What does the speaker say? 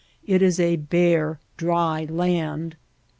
It is a bare, dry land.